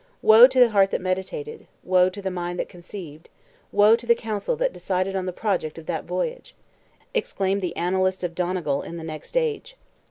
"Woe to the heart that meditated, woe to the mind that conceived, woe to the council that decided on the project of that voyage!" exclaimed the Annalists of Donegal, in the next age.